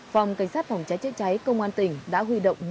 phòng cảnh sát phòng cháy chữa cháy công an tỉnh đã huy động